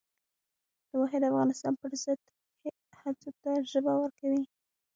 د واحد افغانستان پر ضد هڅو ته ژبه ورکوي.